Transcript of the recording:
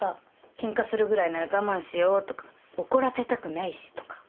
ケンカするぐらいなら我慢しようとか怒らせたくないしとか。